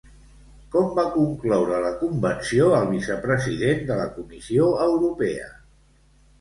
Com va concloure la convenció el vicepresident de la Comissió Europea?